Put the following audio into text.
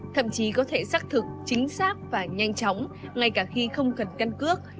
thậm chí có thể xác thực chính xác và nhanh chóng ngay cả khi không cần căn cước